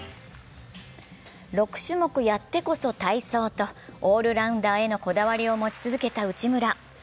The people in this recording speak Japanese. ６種目やってこそ体操と、オールラウンダーへのこだわりを持ち続けた内村。